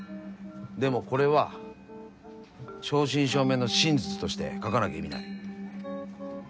でもこれは正真正銘の真実として書かなきゃ意味ない。